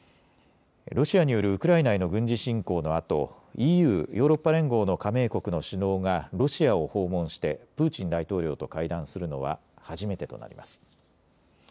ロシアによるウクライナへの軍事侵攻のあとＥＵ・ヨーロッパ連合の加盟国の首脳がロシアを訪問してプーチン大統領と会談するのは初めてとなります。